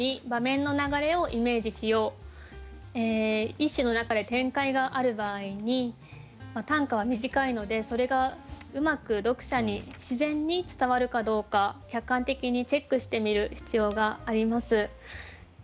一首の中で展開がある場合に短歌は短いのでそれがうまく読者に自然に伝わるかどうか客観的にチェックしてみる必要があります。